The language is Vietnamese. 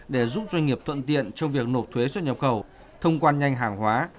để giúp doanh nghiệp thuận tiện cho việc nộp thuế xuất nhập khẩu thông quan nhanh hàng hóa